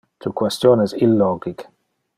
Tu question es illogic.